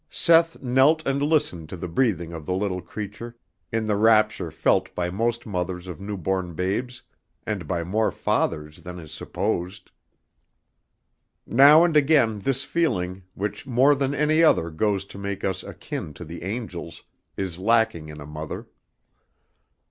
Seth knelt and listened to the breathing of the little creature in the rapture felt by most mothers of newborn babes and by more fathers than is supposed. Now and again this feeling, which more than any other goes to make us akin to the angels, is lacking in a mother.